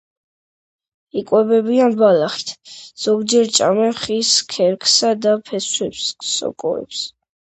იკვებებიან ბალახით, ზოგჯერ ჭამენ ხის ქერქსა და ფესვებს, სოკოებს.